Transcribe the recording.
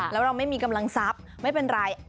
แล้วเราไม่มีกำลังทรัพย์ไม่เป็นไร